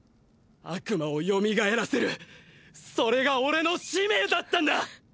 悪魔を蘇らせるそれが俺の使命だったんだ！！